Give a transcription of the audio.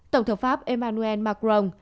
tổng thống pháp emmanuel macron